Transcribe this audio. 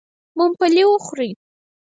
ممپلي و خورئ.